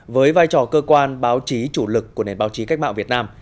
với vai trò cơ quan báo chí chủ lực của nền báo chí cách mạng việt nam